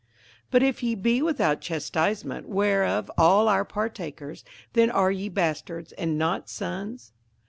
58:012:008 But if ye be without chastisement, whereof all are partakers, then are ye bastards, and not sons.